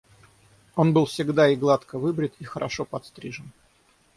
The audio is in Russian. Он был всегда и гладко выбрит и хорошо подстрижен.